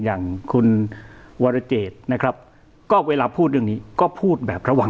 อย่างคุณวรเจตนะครับก็เวลาพูดเรื่องนี้ก็พูดแบบระวัง